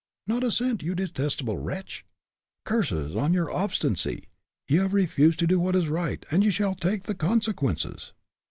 "Not a cent, you detestable wretch." "Curses on your obstinacy! You have refused to do what is right, and you shall take the the consequences."